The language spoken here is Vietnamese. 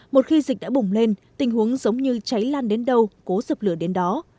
một khi dịch đã bùng lên tình huống giống như cháy lan đến đâu cố dập lửa đến đó